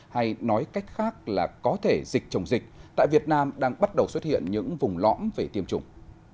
hay nói cách khác là có thể dịch chồng dịch tại việt nam đang bắt đầu xuất hiện những vùng lõm về tiêm chủng